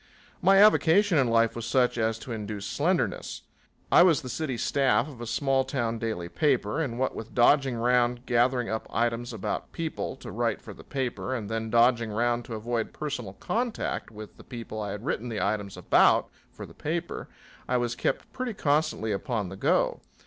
My avocation in life was such as to induce slenderness. I was the city staff of a small town daily paper, and what with dodging round gathering up items about people to write for the paper and then dodging round to avoid personal contact with the people I had written the items about for the paper, I was kept pretty constantly upon the go.